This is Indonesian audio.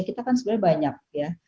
kita kan sebenarnya banyak ya